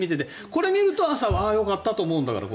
これを見ると、朝よかったなと思うんだから。